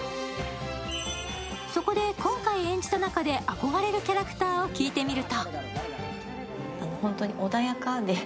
そこで、今回演じた中で憧れるキャラクターを聞いてみると？